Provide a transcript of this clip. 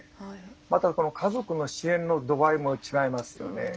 また、家族の支援の度合いも違いますよね。